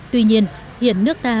tuy nhiên hiện nước ta